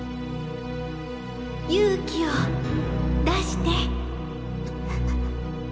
勇気を出して！